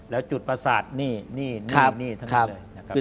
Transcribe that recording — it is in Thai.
แล้วจุดประสาทนี่นี่นี่นี่ทั้งหมดเลย